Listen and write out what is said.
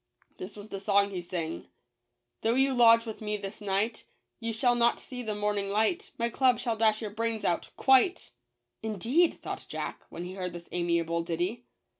This was the song he sang :—" Though you lodge with me this night, You shall not see the morning light ; My club shall dash your brains out — quite !" "Indeed, ''thought Jack, when he heard this amiable ditty.